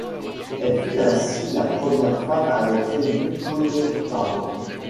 Elle fut ainsi la première femme à être élue Connétable.